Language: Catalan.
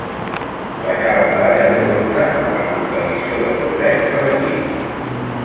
Guanyà la medalla de bronze en la competició de floret per equips.